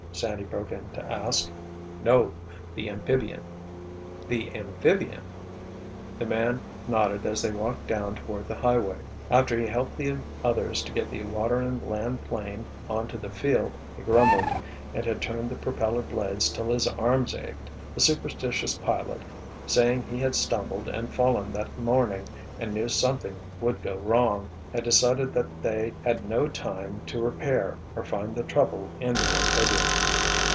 Sandy broke in to ask. "No, the ampibbian——" "The amphibian!" The man nodded as they walked down toward the highway. After he helped the others to get the water and land 'plane onto the field, he grumbled, and had turned the propeller blades till his arms ached, the superstitious pilot, saying he had stumbled and fallen that morning and knew something would go wrong, had decided that they had no time to repair or find the trouble in the amphibian.